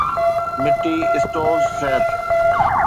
مٽي stoves صحت